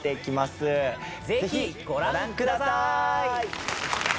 ぜひご覧ください！